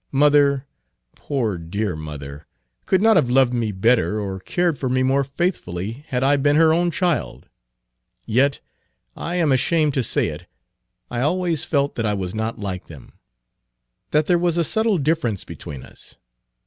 Mother poor, dear mother! could not have loved me better or cared for me more faithfully had I been her own child. Yet I am ashamed to say it I always felt that I was not like them, that there was a subtle difference between us.